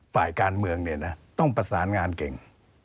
ฝ่ายการเมืองเนี่ยนะต้องประสานงานเก่ง